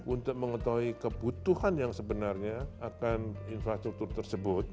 untuk mengetahui kebutuhan yang sebenarnya akan infrastruktur tersebut